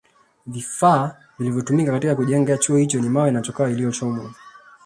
Vifaa vilivyotumika katika kujengea Chuo hicho ni mawe na chokaa iliyochomwa